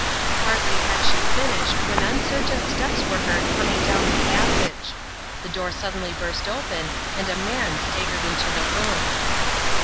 Hardly had she finished when uncertain steps were heard coming down the passage. The door suddenly burst open and a man staggered into the room.